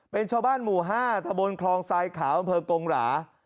เป็นชาวบ้านหมู่๕ทะบลคลองทรายขาวบกหล่า